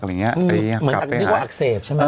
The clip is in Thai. เหมือนที่คุณคิดว่าอักเสบใช่ไหม